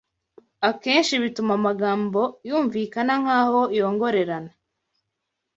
akenshi bituma amagambo yumvikana nkaho yongorerana